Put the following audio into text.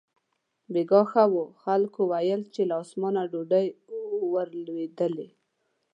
بېګاه ښه و، خلکو ویل چې له اسمانه ډوډۍ ورېدلې.